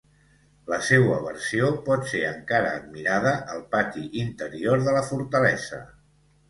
La seua versió pot ser encara admirada al pati interior de la fortalesa.